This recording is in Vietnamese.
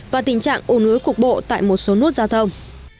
và tình trạng ủn ứa cục bộ tại một số nút giao thông